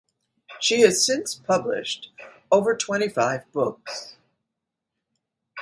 She has since published over twenty-five books.